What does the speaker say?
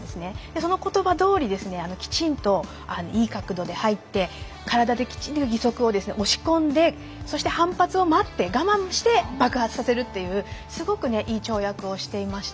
そのことばどおりきちんといい角度で入って体で義足を押し込んでそして反発を待って我慢して爆発させるというすごくいい跳躍をしていました。